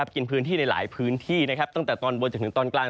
กินพื้นที่ในหลายพื้นที่ตั้งแต่ตอนบนจนถึงตอนกลาง